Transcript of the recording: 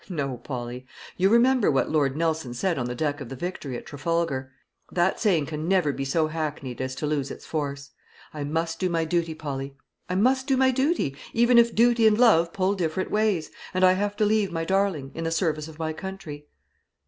No, Polly; you remember what Lord Nelson said on the deck of the Victory at Trafalgar. That saying can never be so hackneyed as to lose its force. I must do my duty, Polly I must do my duty, even if duty and love pull different ways, and I have to leave my darling, in the service of my country."